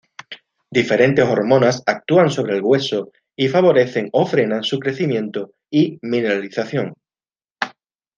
Diferentes hormonas actúan sobre el hueso y favorecen o frenan su crecimiento y mineralización.